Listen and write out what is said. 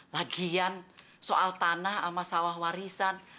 lagian soal tanah sama sawah warisan